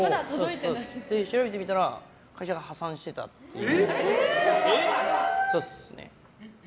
調べてみたら会社が破産してたっていう。